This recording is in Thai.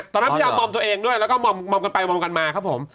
ตอนนั้นพี่ด่อหม่อมตัวเองด้วยแล้วก็หม่อมหม่อมไปหม่อมกันมาครับผม